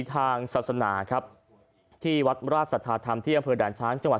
ทางศาสนาครับที่วัดราชสัทธาธรรมที่อำเภอด่านช้างจังหวัด